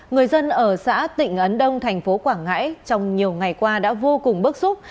người dân ở xã tịnh ấn đông thành phố quảng ngãi trong nhiều ngày qua đã vô cùng bức xúc